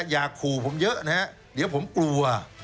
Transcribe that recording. อย่าขู่ผมเยอะนะฮะเดี๋ยวผมกลัว